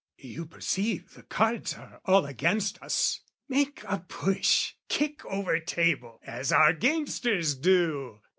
You perceive, The cards are all against us. Make a push, Kick over table, as our gamesters do!